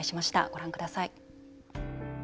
ご覧ください。